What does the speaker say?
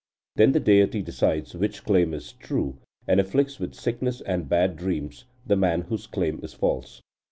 Then the deity decides which claim is true, and afflicts with sickness and bad dreams the man whose claim is false.